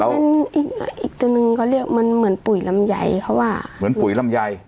เป็นอีกอีกตัวหนึ่งเขาเรียกมันเหมือนปุ๋ยลำไยเพราะว่าเหมือนปุ๋ยลำไย